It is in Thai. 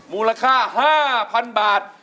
มูลค่า๕๐๐๐บาท